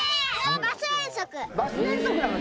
バス遠足なの？